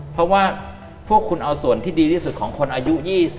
เพราะว่าพวกคุณเอาส่วนที่ดีที่สุดของคนอายุ๒๐